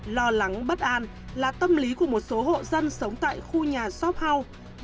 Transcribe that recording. lo lắng bất an là tâm lý của một số hộ dân sống tại khu nhà shop house